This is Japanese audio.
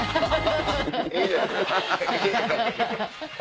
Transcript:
アハハハ！